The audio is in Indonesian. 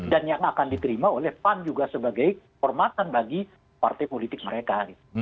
dan yang akan diterima oleh pan juga sebagai hormatan bagi partai politik mereka